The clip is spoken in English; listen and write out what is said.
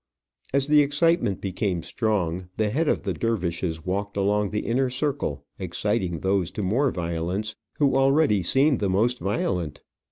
As the excitement became strong, the head of the dervishes walked along the inner circle, exciting those to more violence who already seemed the most violent.